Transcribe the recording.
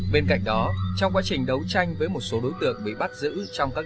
bên cạnh đó trong quá trình đấu tranh với một số đối tượng bị bắt giữ trong các